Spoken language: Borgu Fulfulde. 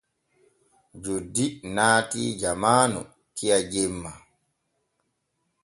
Joddi naatii jamaanu kiya jemma.